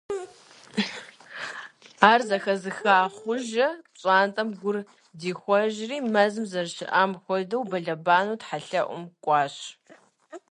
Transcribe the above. Ар зэхэзыха Хъуэжэ пщӀантӀэм гур дихуэжри, мэзым зэрыщыӀам хуэдэу, бэлэбанэу тхьэлъэӀум кӀуащ.